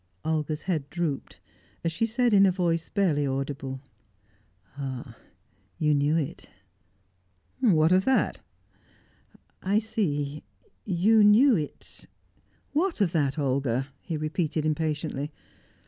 Olga's head drooped, as she said in a voice barely audible: "Ah, you knew it." "What of that?" "I see you knew it " "What of that, Olga?" he repeated impatiently.